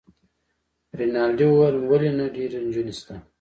رینالډي وویل: ولي نه، ډیرې نجونې شته.